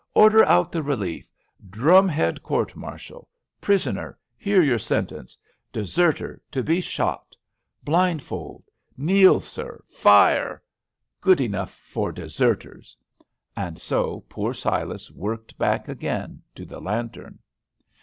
Order out the relief! Drum head court martial! Prisoner, hear your sentence! Deserter, to be shot! Blindfold, kneel, sir! Fire! Good enough for deserters!" And so poor Silas worked back again to the lantern.